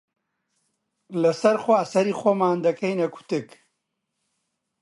لەسەر خوا، سەری خۆمان دەکەینە کوتک